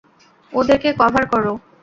ওদেরকে কভার করো!